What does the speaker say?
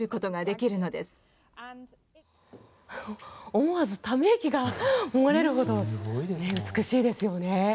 思わずため息が漏れるほど美しいですよね。